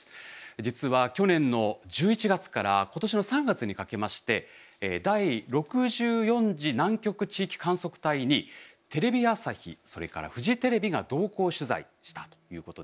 実は去年の１１月から今年の３月にかけまして第６４次南極地域観測隊にテレビ朝日それからフジテレビが同行取材したということで。